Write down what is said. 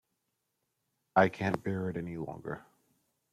I can’t bear it any longer